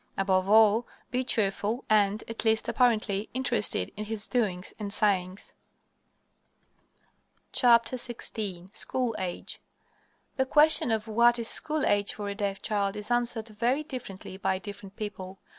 Above all, be cheerful and, at least apparently, interested in his doings and sayings. XVI SCHOOL AGE The question of what is "school age" for a deaf child is answered very differently by different people.